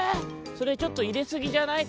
それちょっといれすぎじゃない？」。